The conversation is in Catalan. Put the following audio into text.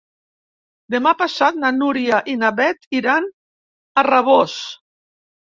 Demà passat na Núria i na Beth iran a Rabós.